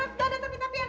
gak ada tapi tapian